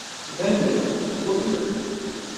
Tettbanemt twehmemt.